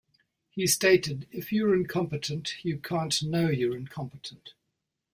He stated: "If you're incompetent, you can't know you're incompetent ...